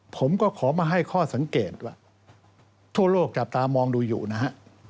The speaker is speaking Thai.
ผมก็ขอมาให้ข้อสังเกตว่าทั่วโลกจับตามองดูอยู่นะฮะ